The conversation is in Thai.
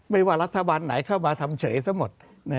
ไม่ว่ารัฐบาลไหนเข้ามาทำเฉยสมุด